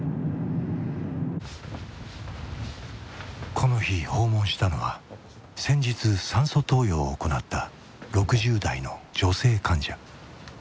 この日訪問したのは先日酸素投与を行った６０代の女性患者。